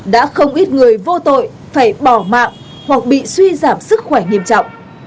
đã không ít người vô tội phải bỏ mạng hoặc bị suy giảm sức khỏe nghiêm trọng